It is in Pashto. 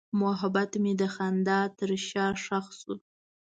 محبت مې د خندا تر شا ښخ شو.